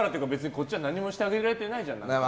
こっちは何もしてあげられてないじゃない。